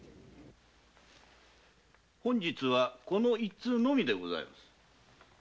本日はこの一通のみでございます。